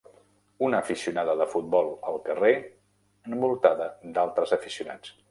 Una aficionada de futbol al carrer envoltada d'altres aficionats.